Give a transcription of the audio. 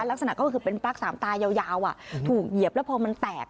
ลักษณะก็คือเป็นปลั๊กสามตายาวถูกเหยียบแล้วพอมันแตก